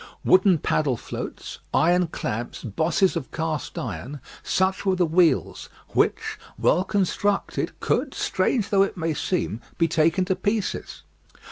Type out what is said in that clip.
Wooden paddle floats, iron clamps, bosses of cast iron such were the wheels, which, well constructed, could, strange though it may seem, be taken to pieces.